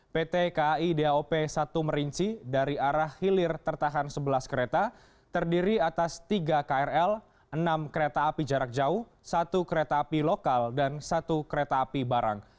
pt kai daop satu merinci dari arah hilir tertahan sebelas kereta terdiri atas tiga krl enam kereta api jarak jauh satu kereta api lokal dan satu kereta api barang